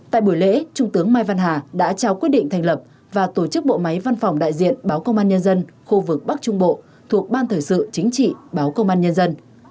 tại buổi lễ trung tướng mai văn hà đã trao quyết định thành lập và tổ chức bộ máy văn phòng đại diện báo công an nhân dân khu vực bắc trung bộ thuộc ban thời sự chính trị báo công an nhân dân